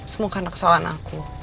semua karena kesalahan aku